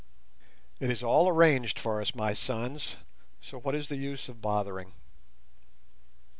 It is all arranged for us, my sons, so what is the use of bothering?